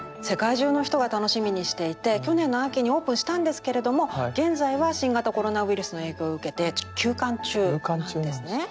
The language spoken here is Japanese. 世界中の人が楽しみにしていて去年の秋にオープンしたんですけれども現在は新型コロナウイルスの影響を受けてちょっと休館中なんですね。